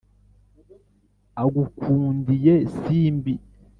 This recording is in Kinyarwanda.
agukundiye simbi